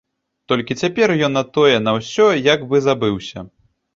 Толькі цяпер ён на тое на ўсё як бы забыўся.